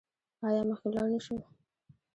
آیا مخکې لاړ نشو؟